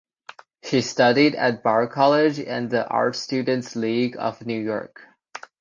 She studied at Bard College and the Art Students League of New York.